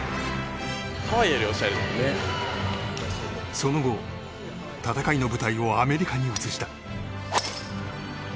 その後、戦いの舞台をアメリカに移した。